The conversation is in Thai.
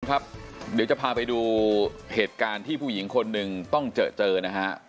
ครับเดี๋ยวจะพาไปดูเหตุการณ์ที่ผู้หญิงคนหนึ่งต้องเจอเจอนะฮะ